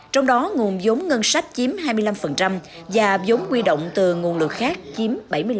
trong đó nguồn giống ngân sách chiếm hai mươi năm và giống quy động từ nguồn lực khác chiếm bảy mươi năm